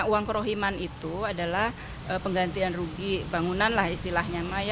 uang kerohiman itu adalah penggantian rugi bangunan lah istilahnya